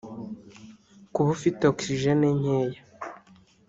Kuba afite oxygen nkeya